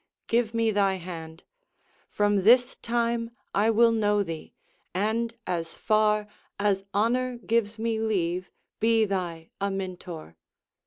Give me thy hand: From this time I will know thee; and as far As honor gives me leave, be thy Amintor.